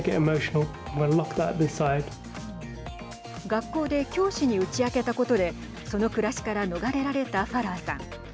学校で教師に打ち明けたことでその暮らしから逃れられたファラーさん。